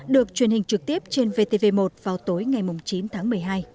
được truyền hình trực tiếp trên vtv một vào tối ngày chín tháng một mươi hai